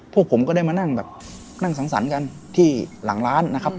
พวกผมก็ได้มานั่งแบบนั่งสังสรรค์กันที่หลังร้านนะครับ